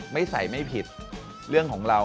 ไม่ใส่ไม่ผิดเรื่องของเรา